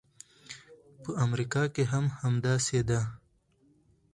په امریکا کې هم همداسې ده.